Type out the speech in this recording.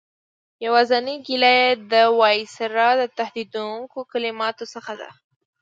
یوازینۍ ګیله یې د وایسرا د تهدیدوونکو کلماتو څخه ده.